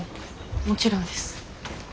もちろんです。